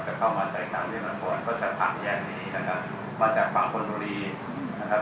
จะเข้ามาจากข้างด้านเหลือมาก่อนก็จะผ่านแยกนี้นะครับมาจากฝั่งคนดุรีนะครับ